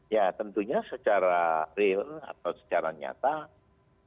ya tentunya secara real atau secara nyata posisi positioning pbb lebih kuat